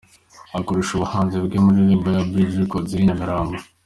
Akorera ubuhanzi bwe muri Label ya Bridge Records iri i Nyamirambo.